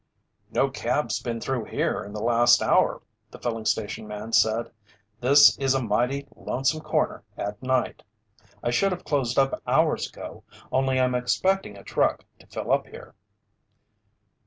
"No cab's been through here in the last hour," the filling station man said. "This is a mighty lonesome corner at night. I should have closed up hours ago, only I'm expecting a truck to fill up here."